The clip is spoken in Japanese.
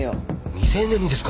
未成年にですか！？